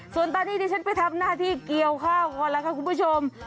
ส่วนตอนนี้ดิฉันไปทำหน้าที่เกี่ยวข้าวก่อนแล้วค่ะคุณผู้ชม